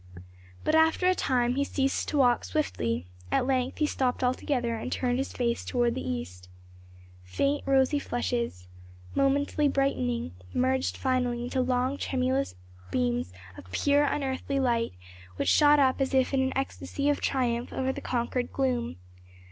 But after a time he ceased to walk swiftly; at length he stopped altogether and turned his face toward the East. Faint rosy flushes momently brightening merged finally into long tremulous beams of pure unearthly light, which shot up as if in an ecstasy of triumph over the conquered gloom.